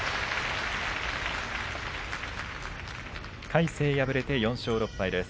魁聖、敗れて４勝６敗です。